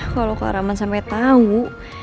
kalau kearaman sampai tau